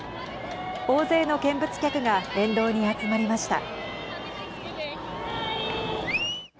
大勢の見物客が沿道に集まりました。